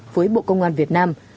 với bộ công an việt nam